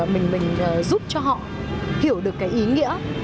mình giúp cho họ hiểu được cái ý nghĩa